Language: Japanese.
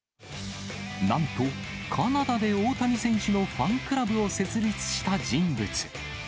なんと、カナダで大谷選手のファンクラブを設立した人物。